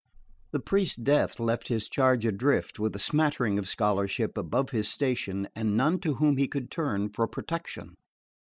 The priest's death left his charge adrift, with a smattering of scholarship above his station, and none to whom he could turn for protection.